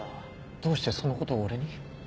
どうしてそのことを俺に？